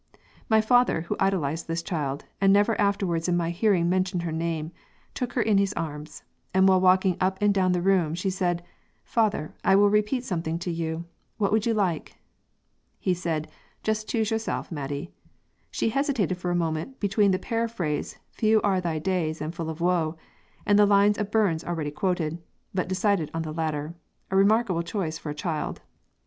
My father, who idolized this child, and never afterwards in my hearing mentioned her name, took her in his arms; and while walking up and down the room, she said, 'Father, I will repeat something to you; what would you like?' He said, 'Just choose yourself, Maidie.' She hesitated for a moment between the paraphrase 'Few are thy days, and full of woe,' and the lines of Burns already quoted, but decided on the latter, a remarkable choice for a child.